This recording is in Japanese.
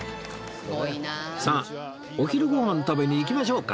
さあお昼ご飯食べに行きましょうか